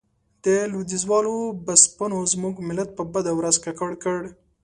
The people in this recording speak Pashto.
د لوېديځوالو بسپنو زموږ ملت په بده ورځ ککړ کړ.